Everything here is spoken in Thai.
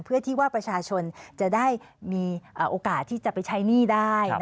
เพื่อที่ว่าประชาชนจะได้มีโอกาสที่จะไปใช้หนี้ได้